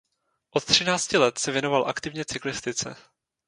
Od třinácti let se věnoval aktivně cyklistice.